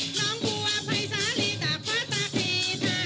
น้องกลัวไพรสานลีกับพระตาคี